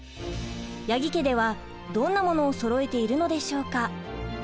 八木家ではどんなものをそろえているのでしょうか？